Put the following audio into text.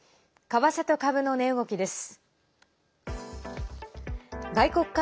為替と株の値動きです。